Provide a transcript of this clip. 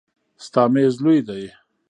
ستا میز لوی دی.